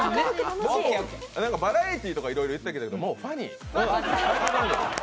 バラエティーとかいろいろ言ってるけれども、ファニー。